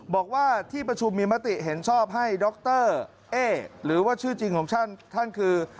บอกว่าที่ประชุมมีมติเห็นชอบให้ดรเอ๊หรือว่าชื่อจริงของท่านท่านคือ